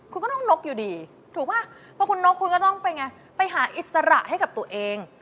คุณก็ต้องนกอยู่ดีถูกป่ะเพราะคุณนกคุณก็ต้องเป็นไงไปหาอิสระให้กับตัวเอง